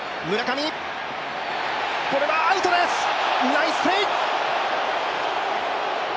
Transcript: ナイスプレー。